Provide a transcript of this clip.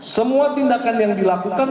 semua tindakan yang dilakukan